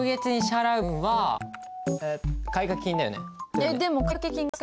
えっ？